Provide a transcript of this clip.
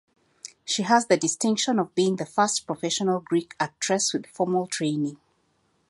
She has the distinction of being the first professional Greek actress with formal training.